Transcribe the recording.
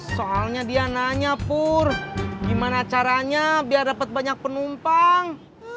soalnya dia nanya pur gimana caranya biar dapat banyak penumpang